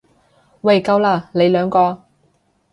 喂夠喇，你兩個！